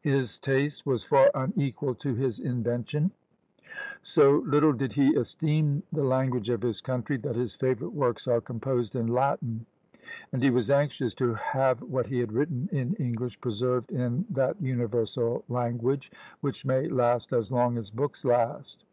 His taste was far unequal to his invention. So little did he esteem the language of his country, that his favourite works are composed in Latin; and he was anxious to have what he had written in English preserved in that "universal language which may last as long as books last."